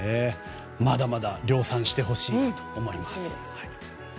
まだまだ量産してほしいと思います。